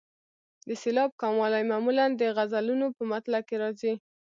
د سېلاب کموالی معمولا د غزلونو په مطلع کې راځي.